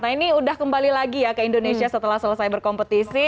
nah ini udah kembali lagi ya ke indonesia setelah selesai berkompetisi